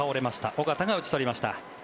尾形が打ち取りました。